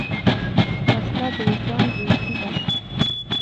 وسله د وجدان بېحسي ده